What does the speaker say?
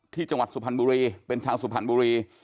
จังหวัดสุพรรณบุรีเป็นชาวสุพรรณบุรี